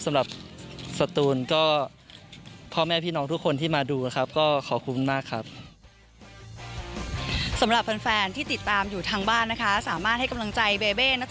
สำหรับสตูนก็พ่อแม่พี่น้องทุกคนที่มาดูนะครับ